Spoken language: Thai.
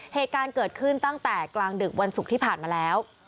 เหตุการณ์เกิดขึ้นตั้งแต่กลางดึกวันศุกร์ที่ผ่านมาแล้ว